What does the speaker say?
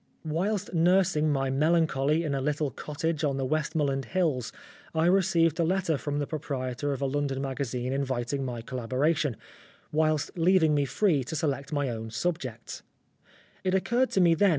Whilst nursing my melancholy in a little cottage on the Westmoreland hills, I received a letter from the proprietor of a London magazine inviting my collaboration, whilst leaving me free to select my own 209 14 Oscar Wilde subjects. It occurred to me them!